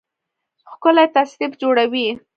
ښکلی تصنیف جوړوي